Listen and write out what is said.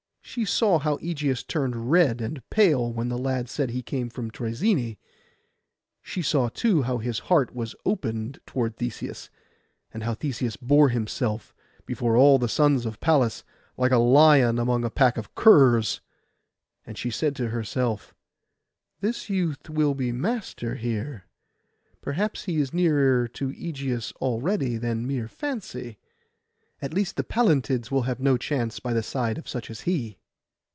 She saw how Ægeus turned red and pale when the lad said that he came from Troezene. She saw, too, how his heart was opened toward Theseus; and how Theseus bore himself before all the sons of Pallas, like a lion among a pack of curs. And she said to herself, 'This youth will be master here; perhaps he is nearer to Ægeus already than mere fancy. At least the Pallantilds will have no chance by the side of such as he.